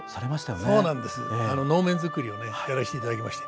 能面作りをねやらせて頂きまして。